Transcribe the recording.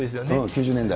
９０年代？